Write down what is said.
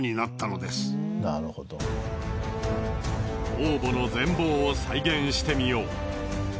王墓の全貌を再現してみよう。